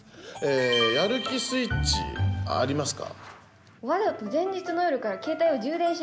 やる気スイッチありますか？